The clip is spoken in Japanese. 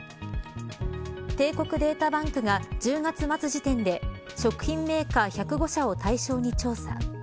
帝国データバンクが１０月末時点で食品メーカー１０５社を対象に調査。